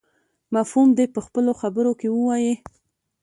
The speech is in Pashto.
مفهوم دې په خپلو خبرو کې ووایي.